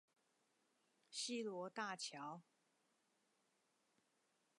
西螺大橋